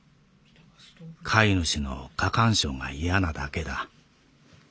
飼い主の過干渉が嫌なだけだ。